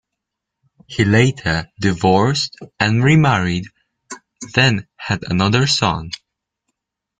He later divorced and remarried, then had another son.